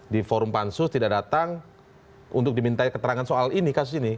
di forum pansus tidak datang untuk diminta keterangan soal ini kasus ini